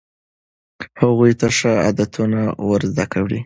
هغوی ته ښه عادتونه ور زده کړئ.